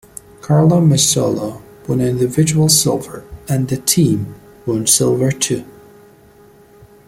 Carlo Massullo won an individual silver and the team won silver too.